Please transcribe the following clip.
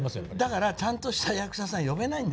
だからちゃんとした役者さん呼べないんですよ。